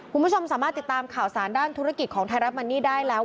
คุณผู้ชมสามารถติดตามข่าวสารด้านธุรกิจของไทยรัฐมันนี่ได้แล้ว